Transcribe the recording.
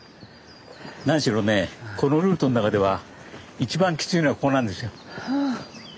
何しろねこのルートの中では一番きついのがここなんですよ。